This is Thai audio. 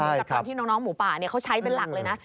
กับตอนที่น้องหมูป่าเขาใช้เป็นหลักเลยนะ